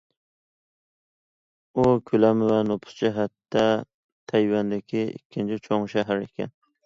ئۇ كۆلەم ۋە نوپۇس جەھەتتە تەيۋەندىكى ئىككىنچى چوڭ شەھەر ئىكەن.